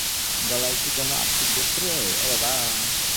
গলায় কি যেন আটকে গিয়েছে।